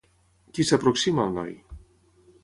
Qui s'aproxima al noi?